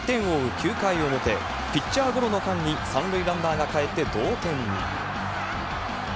９回表、ピッチャーゴロの間に３塁ランナーがかえって同点に。